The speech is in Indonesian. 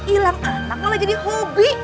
hilang anak malah jadi hobi